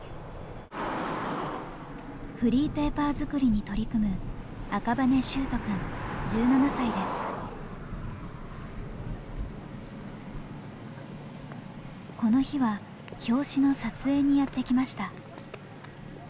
フリーペーパー作りに取り組むこの日は表紙の撮影にやって来ました。